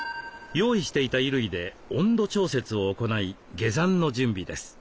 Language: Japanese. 用意していた衣類で温度調節を行い下山の準備です。